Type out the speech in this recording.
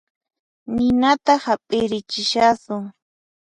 Ninata hap'irichishasun